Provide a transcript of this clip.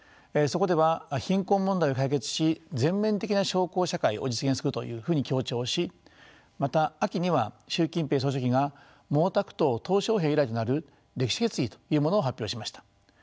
そこでは貧困問題を解決し全面的な小康社会を実現するというふうに強調しまた秋には習近平総書記が毛沢東小平以来となる歴史決議というものを発表しました。